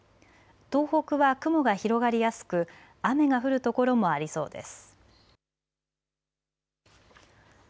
東北は雲が広がりやすく雨が降る所もありそうです。